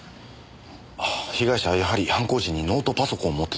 ああ被害者はやはり犯行時にノートパソコンを持ってたんですね。